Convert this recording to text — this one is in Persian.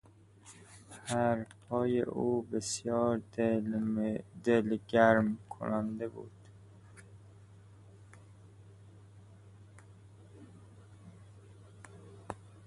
حرفهای او بسیار دلگرم کننده بود.